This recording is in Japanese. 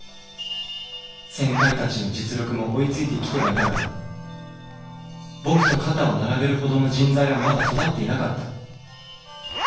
先輩達の実力も追いついて来てはいたが僕と肩を並べるほどの人材はまだ育っていなかった。